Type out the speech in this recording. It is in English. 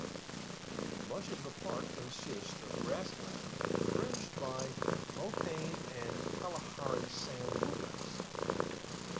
Much of the park consists of grassland, fringed by mopane and Kalahari sand woodlands.